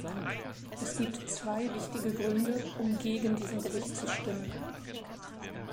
Es gibt zwei wichtige Gründe, um gegen diesen Bericht zu stimmen.